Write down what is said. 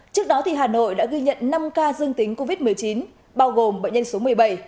trước đó hà nội đã ghi nhận năm ca dương tính covid một mươi chín bao gồm bệnh nhân số một mươi bảy